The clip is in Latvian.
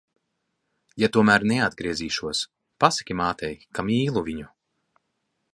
Ja tomēr neatgriezīšos, pasaki mātei, ka mīlu viņu.